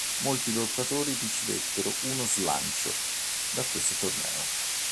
Molti lottatori ricevettero uno “slancio” da questo torneo.